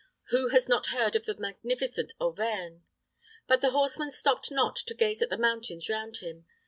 Who has not heard of the magnificent Auvergne? But the horseman stopped not to gaze at the mountains round him.